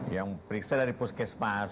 ya periksa dari puskesmas